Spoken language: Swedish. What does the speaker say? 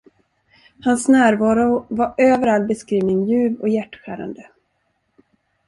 Hans närvaro var över all beskrivning ljuv och hjärtskärande.